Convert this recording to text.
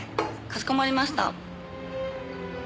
かしこまりました。